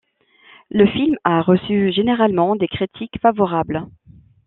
Le film a reçu généralement des critiques favorables.